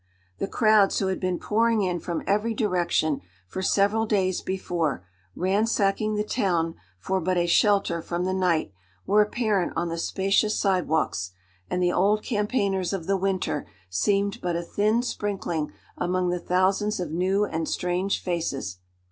The crowds who had been pouring in from every direction for several days before, ransacking the town for but a shelter from the night, were apparent on the spacious side walks, and the old campaigners of the winter seemed but a thin sprinkling among the thousands of new and strange faces.